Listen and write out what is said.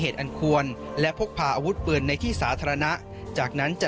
เหตุอันควรและพกพาอาวุธปืนในที่สาธารณะจากนั้นจะ